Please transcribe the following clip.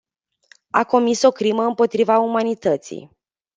A comis o crimă împotriva umanității.